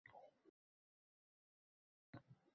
Meni jahlim chiqib ketdi.